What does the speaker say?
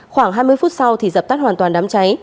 khoảng hai mươi phút sau thì dập tắt hoàn toàn đám cháy